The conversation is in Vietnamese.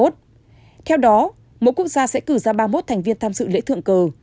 theo đó mỗi quốc gia sẽ cử ra ba mươi một thành viên tham sự lễ thượng cơ